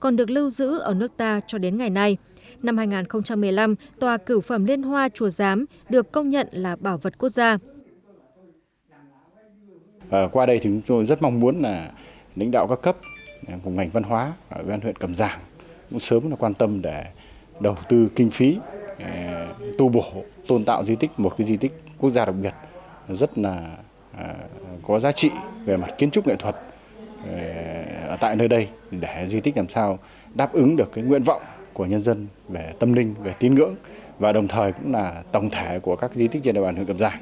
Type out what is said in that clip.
nơi đây có lưu giữ tòa cửu phẩm liên hoa là một trong ba tòa cửu phẩm liên hoa có giá trị đặc biệt về nghệ thuật điều khắc gỗ cổ truyền